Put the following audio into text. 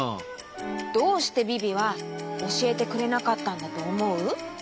どうしてビビはおしえてくれなかったんだとおもう？